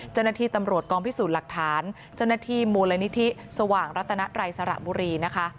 เจ้าหน้าที่ตำรวจกองพิสูจน์หลักฐานเจ้าหน้าที่มูลนิธิสว่างรัตนไรสระบุรีนะคะ